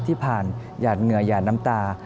ที่ผ่านหยาดเหงื่อหยาดน้ำตา